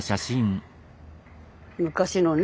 昔のね